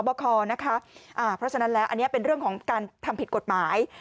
เพราะฉะนั้นแล้วอันนี้เป็นเรื่องของการทำผิดกฎหมาย